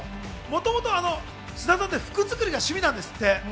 もともと菅田さんって、服作りが趣味なんですって。